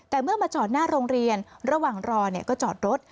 แต่เมื่อมาจอดหน้าโรงเรียนระหว่างรอก็จอดรถ